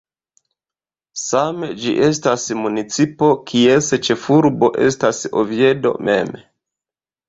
Same ĝi estas municipo kies ĉefurbo estas Oviedo mem.